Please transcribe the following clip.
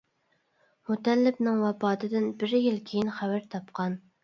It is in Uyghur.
مۇتەللىپنىڭ ۋاپاتىدىن بىر يىل كېيىن خەۋەر تاپقان.